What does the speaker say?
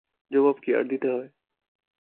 জবাব কি আর দিতে হয়।